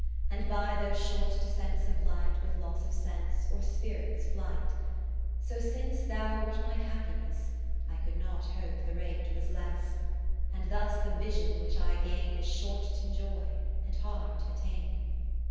And buy those short descents ofLight With loss of sense : or spirit's flight : II So since thou wert my happiness, I could not hope the rate was less ; And thus the Vision which I gain Is short t' enjoy, and hard t' attain.